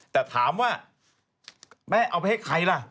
แต่ถามว่าแม่เอาไปให้ใครล่ะ